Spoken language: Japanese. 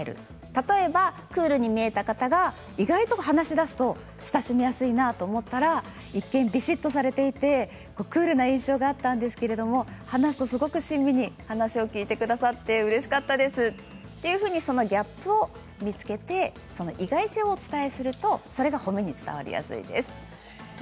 例えば、クールに見えた方が意外と話しだすと親しみやすいなと思ったら一見びしっとされていてクールな印象があったんですけど話すとすごく親身に話を聞いてくださってうれしかったですというふうにギャップを見つけて意外性をお伝えするとそれが褒めに伝わりやすいです。